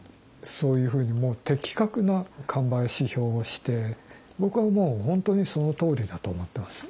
そういうふうにもう的確な神林評をして僕はもう本当にそのとおりだと思っています。